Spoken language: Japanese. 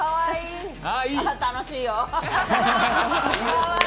あ楽しいよ。